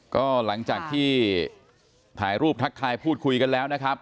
ก็หลังจากที่ถ่ายรูปทักทายพูดคุยกันแล้วนะครับ